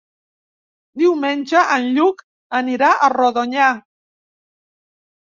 Diumenge en Lluc anirà a Rodonyà.